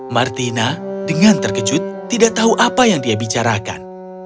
martina dengan terkejut tidak tahu apa yang dia bicarakan